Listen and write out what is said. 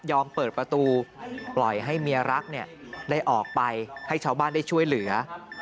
เปิดประตูปล่อยให้เมียรักได้ออกไปให้ชาวบ้านได้ช่วยเหลือ